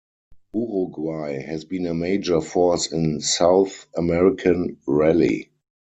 Uruguay has been a major force in South American rally.